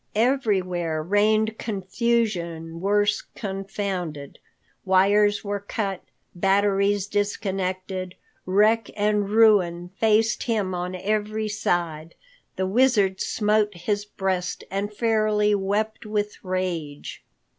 Everywhere reigned confusion worse confounded. Wires were cut, batteries disconnected, wreck and ruin faced him on every side. The Wizard smote his breast and fairly wept with rage.